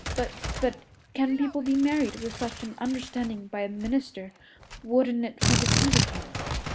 "But but can people be married with such an understanding by a minister? Wouldn't it be deceiving him?"